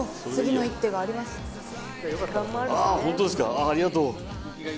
あありがとう。